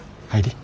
はい。